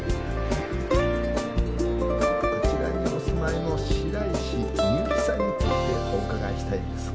こちらにお住まいの白石美由紀さんについてお伺いしたいんですが。